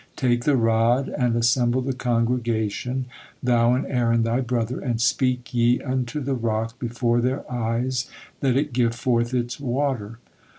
'Take the rod and assemble the congregation, thou and Aaron thy brother, and speak ye unto the rock before their eyes, that it give forth its water.'"